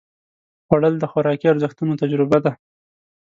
خوړل د خوراکي ارزښتونو تجربه ده